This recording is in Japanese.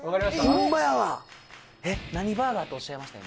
ホンマやわ何バーガーっておっしゃいました？